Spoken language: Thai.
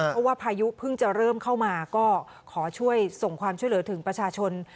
เพราะว่าพายุเพิ่งจะเริ่มเข้ามาก็ขอช่วยส่งความช่วยเหลือถึงประชาชน